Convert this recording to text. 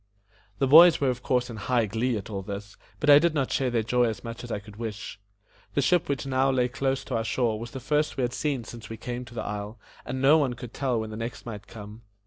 The boys were of course in high glee at all this, but I did not share their joy so much as I could wish. The ship which now lay close to our shore was the first we had seen since we came to the isle, and no one could tell when the next might come.